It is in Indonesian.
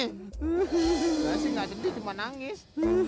nggak sih nggak sedih cuma nangis